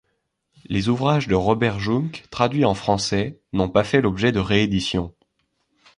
Les ouvrages de Robert Jungk traduits en français n’ont pas fait l’objet de rééditions.